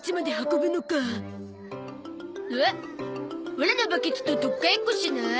オラのバケツととっかえっこしない？